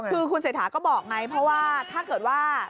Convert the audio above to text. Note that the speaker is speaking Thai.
คือคุณเศรษฐาก็บอกไงเพราะว่าถ้าเกิดว่า